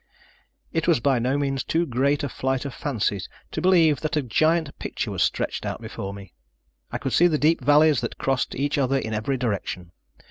It was by no means too great a flight of fancy to believe that a giant picture was stretched out before me. I could see the deep valleys that crossed each other in every direction.